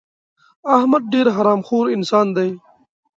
احمد ډېر حرام خور انسان دی.